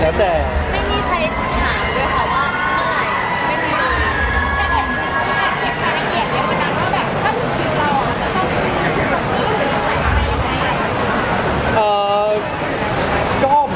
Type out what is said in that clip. ไม่ได้เจอในคุณหรอก